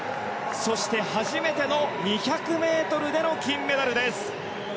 そして、初めての２００ｍでの金メダルです。